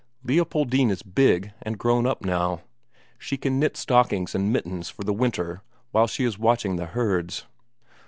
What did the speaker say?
Leopoldine is big and grown up now; she can knit stockings and mittens for the winter while she is watching the herds.